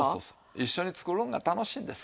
一緒に作るのが楽しいんです。